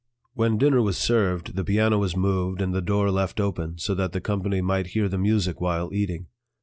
When dinner was served, the piano was moved and the door left open, so that the company might hear the music while eating.